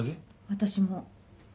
私も。